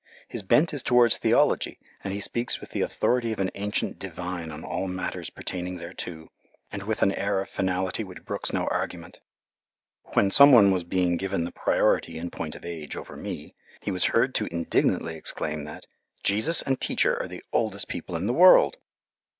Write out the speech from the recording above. His bent is towards theology, and he speaks with the authority of an ancient divine on all matters pertaining thereto, and with an air of finality which brooks no argument. When some one was being given the priority in point of age over me, he was heard to indignantly exclaim that "Jesus and Teacher are the oldest people in the world."